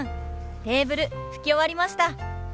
テーブル拭き終わりました。